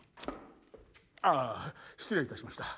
ああ失礼いたしました。